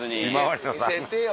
見せてよ。